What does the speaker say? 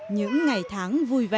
những ngày tháng vui vẻ